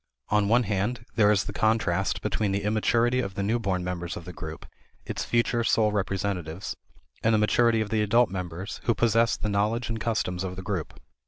On one hand, there is the contrast between the immaturity of the new born members of the group its future sole representatives and the maturity of the adult members who possess the knowledge and customs of the group.